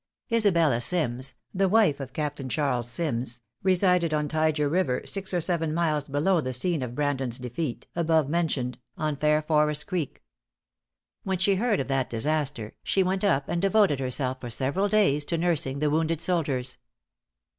Isabella Sims, the wife of Captain Charles Sims, resided on Tyger River, six or seven miles below the scene of Brandon's defeat, above mentioned, on Fairforest Creek. When she heard of that disaster, she went up and devoted herself for several days to nursing the wounded soldiers.